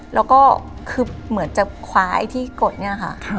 แล้วก็คือเหมือนจะคว้าไอ้ที่กดเนี่ยค่ะ